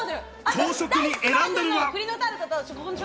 朝食に選んだのは。